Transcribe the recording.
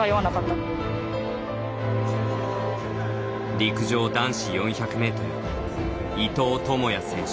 陸上男子４００メートル伊藤智也選手。